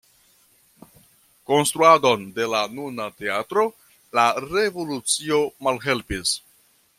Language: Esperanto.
Konstruadon de la nuna teatro la revolucio malhelpis.